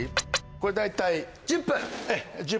これ大体１０分！